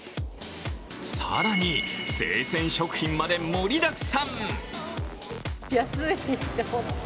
更に、生鮮食品まで盛りだくさん。